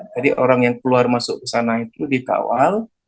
jadi orang yang keluar masuk ke sana itu dikawal